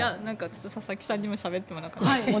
佐々木さんにもしゃべってもらいたいから。